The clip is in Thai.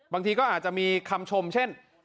บางทีก็อาจจะมีคำชมต้อนอย่างเช่น